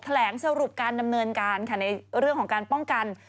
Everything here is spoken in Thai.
แหลงสรุปการดำเนินการค่ะในเรื่องของการป้องกัน